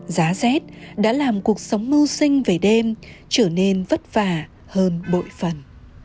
giá rét đã làm cuộc sống mưu sinh về đêm trở nên vất vả hơn bội phần